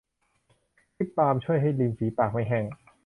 ลิปบาล์มช่วยให้ริมฝีปากไม่แห้ง